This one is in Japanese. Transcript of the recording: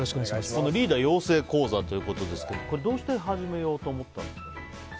リーダー養成講座ということですがどうして始めようと思ったんですか。